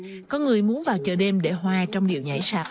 và có người muốn vào chợ đêm để hoài trong điệu nhảy sạc